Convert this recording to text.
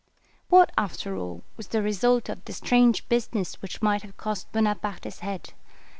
"What, after all, was the result of this strange business which might have cost Bonaparte his head?